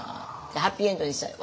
ハッピーエンドにしたい。